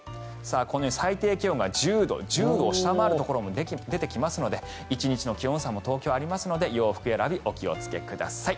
このように最低気温が１０度を下回るところも出てきますので１日の気温差も東京、ありますので洋服選び、お気をつけください。